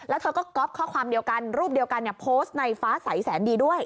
แล้วเธอก็ก๊อปข้อความเดียวกันรูปเดียวกันโพสต์ในฟ้าใสแสนดีด้วย